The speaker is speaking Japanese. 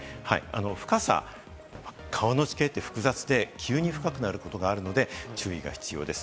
深さ、川の地形って複雑で急に深くなることがあるので注意が必要です。